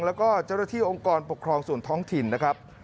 แล้วก็เจ้าหน้าที่องค์กรปกครองส่วนท้องถิ่นนะครับ